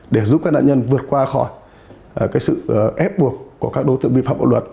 để giúp các nạn nhân vượt qua khỏi sự ép buộc của các đối tượng bị phạm bạo luật